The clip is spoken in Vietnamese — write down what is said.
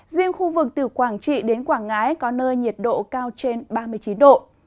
riêng khu vực từ quảng trị đến quảng ngãi có nơi nhiệt độ cao trên ba mươi chín độ